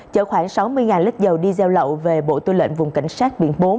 chở khoảng sáu mươi lít dầu đi gieo lậu về bộ tư lệnh vùng cảnh sát biển bốn